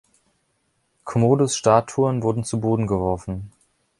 Commodus‘ Statuen wurden zu Boden geworfen.